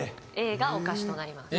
Ａがお菓子となります